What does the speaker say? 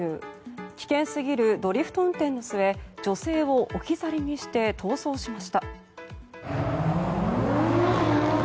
危険すぎるドリフト運転の末女性を置き去りにして逃走しました。